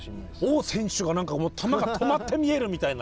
王選手が球が止まって見えるみたいな。